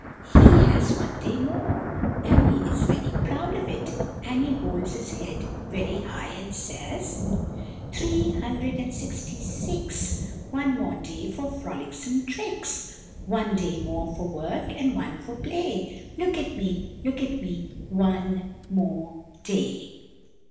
He has one day more, and he is very proud of it, and holds his head very high, and says,— "Three—hundred—and sixty six! One more day for frolicsome tricks. One day more for work and for play. Look at me! look at me! One MORE DAY!!!"